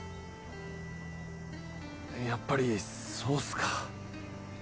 やっぱりそうっすか。